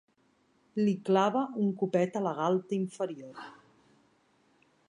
Li clava un copet a la galta inferior.